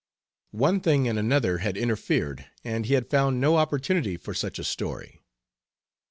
One thing and another had interfered, and he had found no opportunity for such a story.